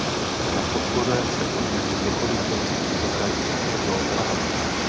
Na podpoře se podílí několik zoologických zahrad včetně Zoo Praha.